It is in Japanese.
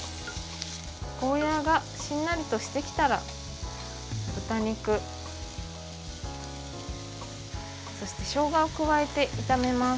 ゴーヤーがしんなりとしてきたら豚肉、そして、しょうがを加えて炒めます。